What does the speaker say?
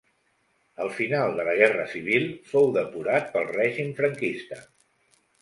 Al final de la Guerra Civil fou depurat pel règim franquista.